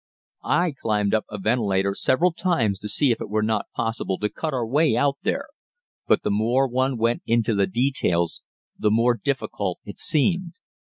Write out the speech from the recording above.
I climbed up a ventilator several times to see if it were not possible to cut our way out there, but the more one went into the details the more difficult it seemed.